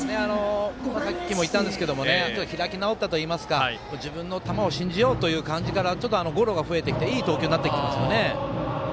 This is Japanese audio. さっきも言ったんですけど開き直ったといいますか自分の球を信じようという感じから、ゴロが増えてきていい投球になってきましたよね。